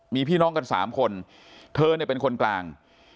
มีพี่น้องกัน๓คนเธอเนี่ยเป็นคนกลาง